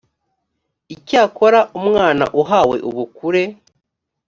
icyakora umwana uhawe ubukure